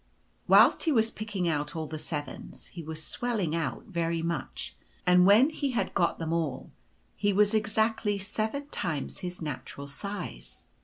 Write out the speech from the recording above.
Whilst he was picking out all the Sevens he was swelling out very much ; and when he had got them all he was exactly Seven times his natural size.